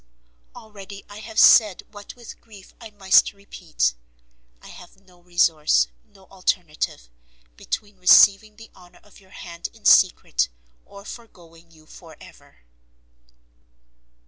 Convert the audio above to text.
already I have said what with grief I must repeat, I have no resource, no alternative, between receiving the honour of your hand in secret or foregoing you for ever.